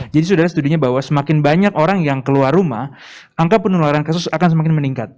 jadi sudah ada studinya bahwa semakin banyak orang yang keluar rumah angka penularan kasus akan semakin meningkat